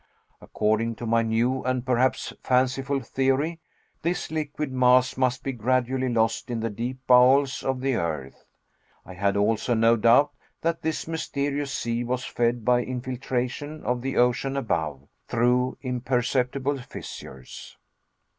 According to my new, and perhaps fanciful, theory, this liquid mass must be gradually lost in the deep bowels of the earth. I had also no doubt that this mysterious sea was fed by infiltration of the ocean above, through imperceptible fissures.